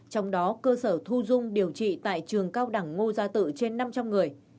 trong đó cơ sở thu dung điều trị tại trường cao đẳng ngô gia tự trên năm trăm linh người